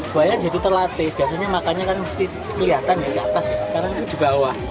buaya jadi terlatih biasanya makannya kan mesti kelihatan di atas ya sekarang itu di bawah